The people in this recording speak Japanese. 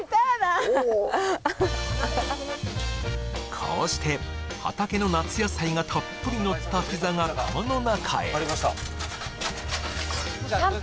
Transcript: こうして畑の夏野菜がたっぷりのったピザが窯の中へ３分？